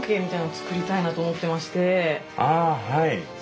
ああはい。